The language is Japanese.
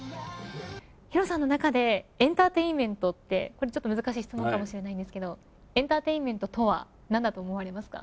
ＨＩＲＯさんの中でエンターテインメントってちょっと難しい質問かもしれないですけどもエンターテインメントとは何だと思いますか。